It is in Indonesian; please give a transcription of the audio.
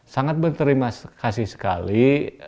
sangat berterima kasih sekali